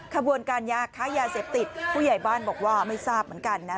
ขบวนการยาค้ายาเสพติดผู้ใหญ่บ้านบอกว่าไม่ทราบเหมือนกันนะ